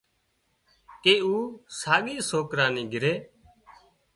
ڪي او ساڳي سوڪرا نِي گھري